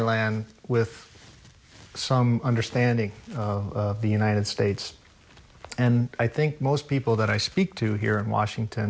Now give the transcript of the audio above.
และสหรัฐอเมริกาที่ผมพูดกับคนที่อยู่ในวาชิงตัน